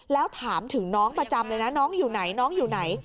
แล้วถามถึงน้องประจำเลยนะน้องอยู่ไหน